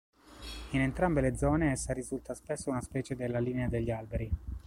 In entrambe le zone, essa risulta spesso una specie della linea degli alberi.